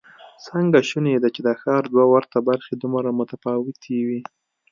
څنګه شونې ده چې د ښار دوه ورته برخې دومره متفاوتې وي؟